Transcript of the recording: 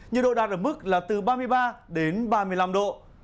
nhiệt độ đạt ở mức là từ ba mươi ba đến ba mươi năm độ